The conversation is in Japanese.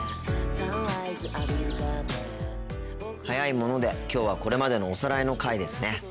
早いものできょうはこれまでのおさらいの回ですね。